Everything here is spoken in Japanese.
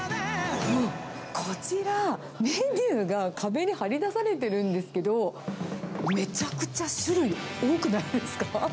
こちら、メニューが壁に貼り出されてるんですけど、めちゃくちゃ種類、多くないですか？